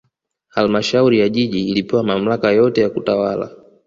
halmashauri ya jiji ilipewa mamlaka yote ya kutawala